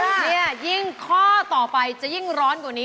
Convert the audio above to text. เนี่ยยิ่งข้อต่อไปจะยิ่งร้อนกว่านี้